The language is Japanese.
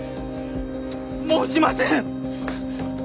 もうしません！